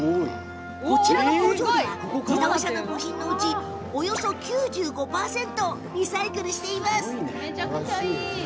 こちらの工場では自動車の部品のうちおよそ９５％をリサイクルしています。